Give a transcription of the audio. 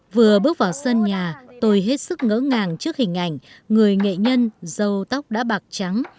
vừa bước vào sân nhà tôi hết sức ngỡ ngàng trước hình ảnh người nghệ nhân dâu tóc đã bạc trắng